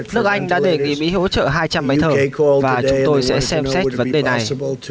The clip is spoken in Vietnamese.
nước anh đã đề nghị mỹ hỗ trợ hai trăm linh máy thở và chúng tôi sẽ xem xét vấn đề này